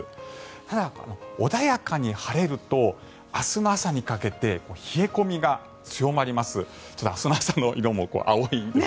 ただ、穏やかに晴れると明日の朝にかけて冷え込みが強まります。